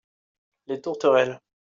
Les tourterelles.